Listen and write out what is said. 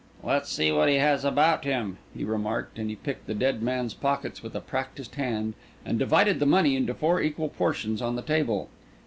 "Let's see what he has about him," he remarked; and he picked the dead man's pockets with a practised hand, and divided the money into four equal portions on the table.